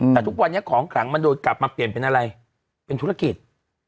แต่ทุกวันนี้ของขลังมันโดนกลับมาเปลี่ยนเป็นอะไรเป็นธุรกิจ